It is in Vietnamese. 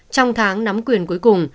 trong tháng nắm quyền cuối cùng